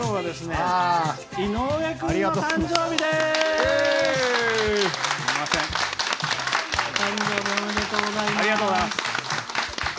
ありがとうございます。